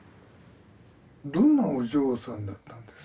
どんなお嬢さんだったんです？